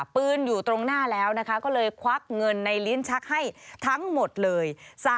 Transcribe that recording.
ปืนอยู่ตรงหน้าแล้วนะคะก็เลยควักเงินในลิ้นชักให้ทั้งหมดเลย